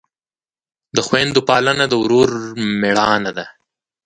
د خویندو پالنه د ورور مړانه ده.